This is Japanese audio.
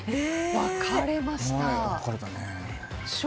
分かれました。